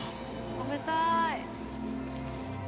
食べたい。